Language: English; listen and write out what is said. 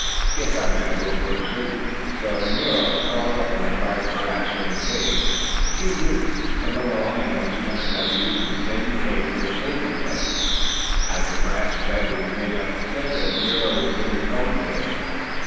Guess I might as well go to sleep." So Nero curled up on the dried grass in the cave. He knew some other lion once must have used the same cave for a sleeping place, as the grass bed was made up just as Nero's was in the home cave.